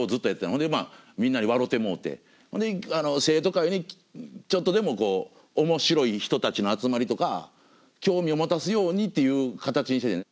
ほんでまあみんなに笑てもうて生徒会にちょっとでも面白い人たちの集まりとか興味を持たすようにっていう形にしてね。